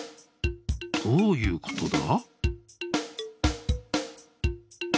どういうことだ？